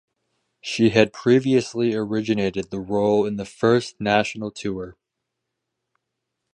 She had previously originated the role in the first national tour.